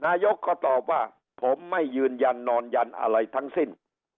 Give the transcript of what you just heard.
นายกก็ตอบว่าผมไม่ยืนยันนอนยันอะไรทั้งสิ้น